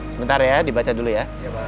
sebentar ya dibaca dulu ya